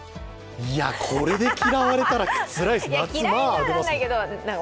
これで嫌われたらつらい。